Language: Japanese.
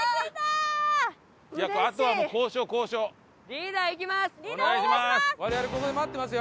リーダーお願いします！